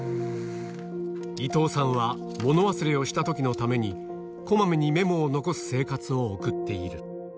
伊藤さんは、物忘れをしたときのために、こまめにメモを残す生活を送っている。